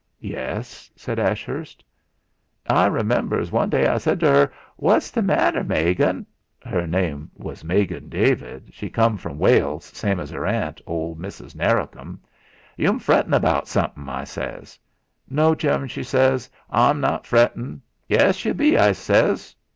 "Yes?" said Ashurst. "I remembers one day I said to 'er: 'What's the matter, Megan?' 'er name was Megan David, she come from Wales same as 'er aunt, ol' Missis Narracombe. 'Yu'm frettin' about somethin'. I says. 'No, Jim,' she says, '.'m not frettin'.' 'Yes, yu be!' I says.